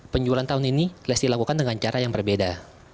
penjualan tahun ini lesti lakukan dengan cara yang berbeda